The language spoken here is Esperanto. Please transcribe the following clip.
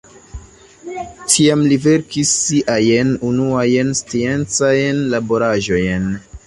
Tiam li verkis siajn unuajn sciencajn laboraĵojn.